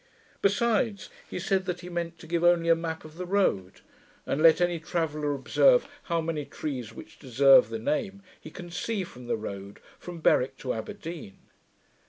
Besides, he said, that he meant to give only a map of the road; and let any traveller observe how many trees, which deserve the name, he can see from the road from Berwick to Aberdeen.